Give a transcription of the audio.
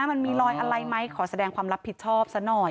มันมีรอยอะไรไหมขอแสดงความรับผิดชอบซะหน่อย